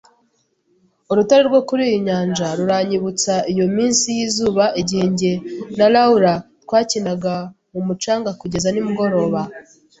Urutare rwo kuri iyi nyanja ruranyibutsa iyo minsi yizuba igihe njye na Laura twakinaga mumucanga kugeza nimugoroba.